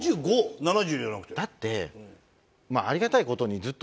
だって。